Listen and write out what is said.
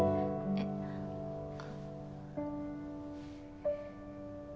えっあっ。